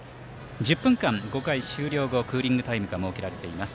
１０分間、５回終了後クーリングタイムが設けられています。